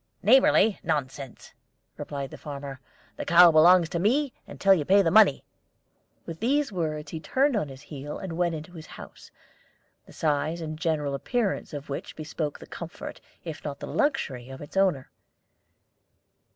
"Neighborly nonsense!" replied the farmer. "The cow belongs to me until you pay the money." With these words he turned on his heel and went into his house, the size and general appearance of which bespoke the comfort, if not the luxury, of its owner.